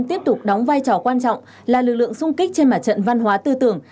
tiếp tục đóng vai trò quan trọng là lực lượng sung kích trên mặt trận văn hóa tư tưởng